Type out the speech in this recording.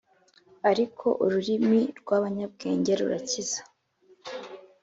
Ariko ururimi rw’abanyabwenge rurakiza